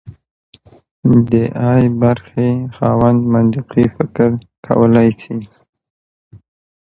د ای برخې خاوند منطقي فکر کولی شي.